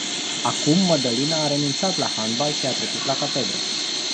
Acum Mădălina a renunțat la handbal și a trecut la catedră.